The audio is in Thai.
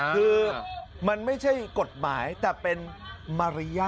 คือมันไม่ใช่กฎหมายแต่เป็นมารยาท